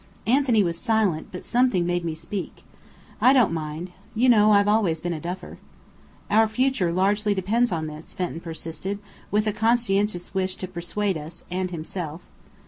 Anthony was silent; but something made me speak. "I don't mind. You know, I've always been a Duffer." "Our future largely depends on this," Fenton persisted, with a conscientious wish to persuade us and himself.